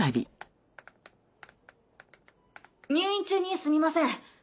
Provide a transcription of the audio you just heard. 入院中にすみません。